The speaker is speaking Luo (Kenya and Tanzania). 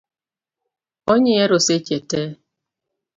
Onyiero seche tee